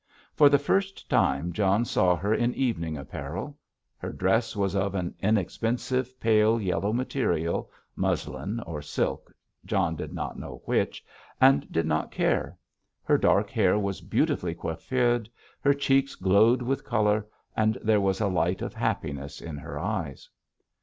For the first time John saw her in evening apparel. Her dress was of an inexpensive pale yellow material, muslin or silk, John did not know which, and did not care. Her dark hair was beautifully coiffeured, her cheeks glowed with colour, and there was a light of happiness in her eyes.